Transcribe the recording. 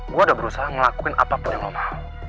gue udah berusaha ngelakuin apapun yang lo mau